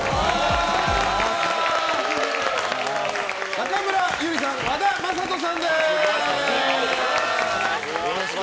中村ゆりさん、和田正人さんです。